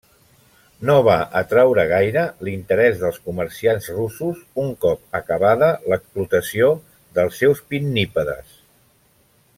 No va atraure gaire l'interès dels comerciants russos un cop acabada l'explotació dels seus pinnípedes.